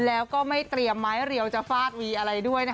แล้วก็ไม่เตรียมไม้เรียวจะฟาดวีอะไรด้วย